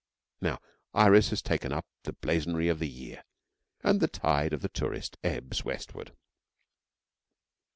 Now the iris has taken up the blazonry of the year, and the tide of the tourists ebbs westward.